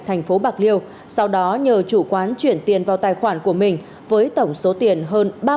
thành phố bạc liêu sau đó nhờ chủ quán chuyển tiền vào tài khoản của mình với tổng số tiền hơn